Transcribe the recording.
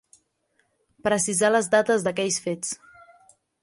Precisar les dates d'aquells fets.